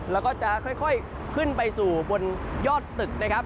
แล้วก็จะค่อยขึ้นไปสู่บนยอดตึกนะครับ